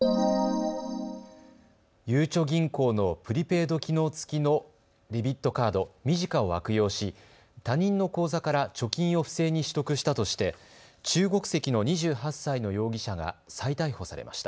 ゆうちょ銀行のプリペイド機能付きのデビットカード、ｍｉｊｉｃａを悪用し他人の口座から貯金を不正に取得したとして中国籍の２８歳の容疑者が再逮捕されました。